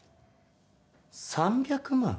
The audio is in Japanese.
３００万？